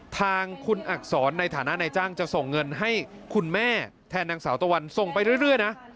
ทางคุณอักษรในฐานะนายจ้างจะส่งเงินให้คุณแม่แทนนางสาวตะวันส่งไปเรื่อยนะ